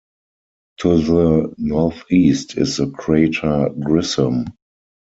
To the northeast is the crater Grissom.